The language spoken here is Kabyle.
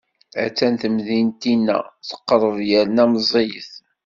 A-tt-an temdint-inna, teqreb yerna meẓẓiyet.